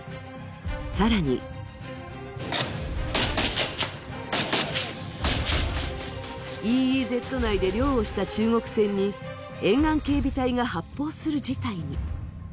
更にＥＥＺ内で漁をした中国船に沿岸警備隊が発砲する事態に。